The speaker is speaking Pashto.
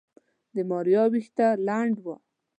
د ماريا ويښته لنده وه.